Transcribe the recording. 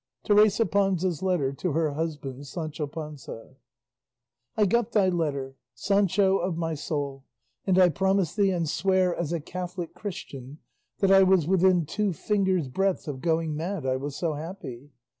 TERESA PANZA'S LETTER TO HER HUSBAND SANCHO PANZA. I got thy letter, Sancho of my soul, and I promise thee and swear as a Catholic Christian that I was within two fingers' breadth of going mad I was so happy.